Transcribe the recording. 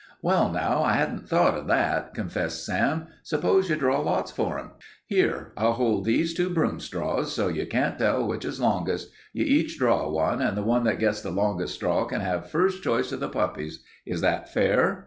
"Well, now, I hadn't thought of that," confessed Sam. "Suppose you draw lots for 'em. Here, I'll hold these two broom straws so you can't tell which is longest. You each draw one, and the one that gets the longest straw can have first choice of the puppies. Is that fair?"